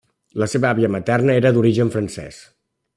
La seva àvia materna era d'origen francès.